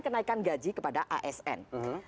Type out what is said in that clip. kenaikan gaji kepada asn